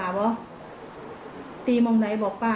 เอายังตีบ้างหล่ะ